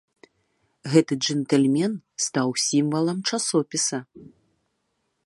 Гэты джэнтльмен стаў сімвалам часопіса.